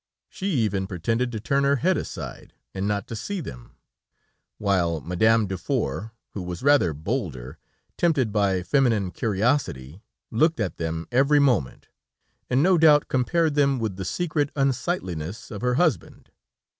She even pretended to turn her head aside, and not to see them, while Madame Dufour, who was rather bolder, tempted by feminine curiosity, looked at them every moment, and no doubt compared them with the secret unsightliness of her husband.